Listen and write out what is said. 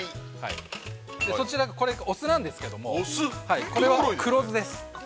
これ、お酢なんですけれどもこれは黒酢です。